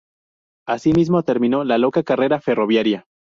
Ahí mismo terminó la loca carrera ferroviaria.